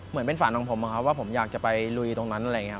เหมือนเป็นฝันของผมว่าผมอยากจะไปลุยตรงนั้น